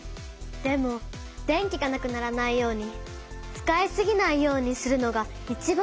でも電気がなくならないように使いすぎないようにするのがいちばん大事なのよ。